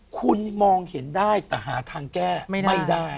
คุณมองเห็นได้แต่หาทางแก้ไม่ได้